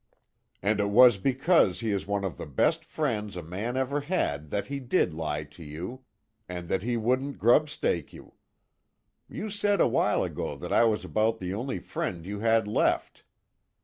"And it was because he is one of the best friends a man ever had that he did lie to you, and that he wouldn't grub stake you. You said a while ago that I was about the only friend you had left.